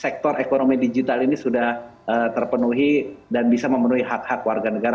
sektor ekonomi digital ini sudah terpenuhi dan bisa memenuhi hak hak warga negara